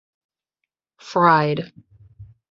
Fried.